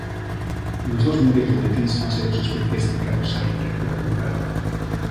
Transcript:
Nos dous vindeiros boletíns fanse dous especiais dedicados á "Literatura Comparada".